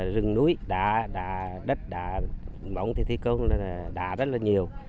rừng núi đá đất mỏng thì thi công là đá rất là nhiều